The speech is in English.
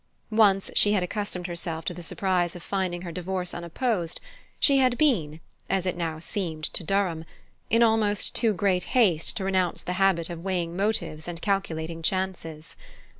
Once she had accustomed herself to the surprise of finding her divorce unopposed, she had been, as it now seemed to Durham, in almost too great haste to renounce the habit of weighing motives and calculating chances.